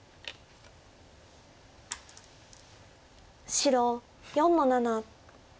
白４の七。